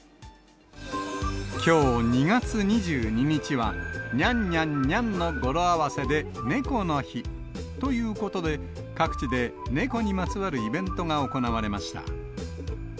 きょう２月２２日は、ニャンニャンニャンの語呂合わせで猫の日ということで、各地で猫にまつわるイベントが行われました。